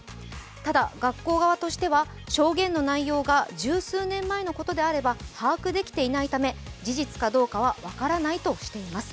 ただ、学校側としては証言の内容が十数年前のことであれば把握できていないため事実かどうかは分からないとしています。